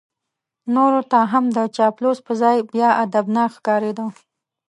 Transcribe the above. نورو ته هم د چاپلوس په ځای بیا ادبناک ښکارېده.